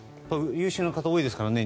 優秀な方が多いですからね。